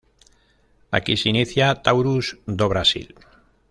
Aquí se inicia "Taurus do Brasil".